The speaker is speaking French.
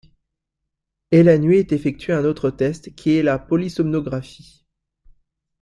Et la nuit est effectué un autre test qui est la polysomnographie.